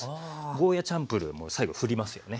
ゴーヤーチャンプルーも最後ふりますよね。